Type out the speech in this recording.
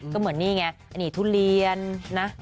ก็เหมือนนี่ไงอันนี้ทุเรียนนะ